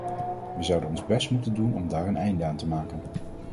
Wij zouden ons best moeten doen om daar een einde aan te maken.